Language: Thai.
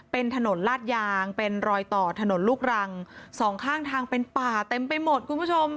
เป็นถนนลาดยางเป็นรอยต่อถนนลูกรังสองข้างทางเป็นป่าเต็มไปหมดคุณผู้ชม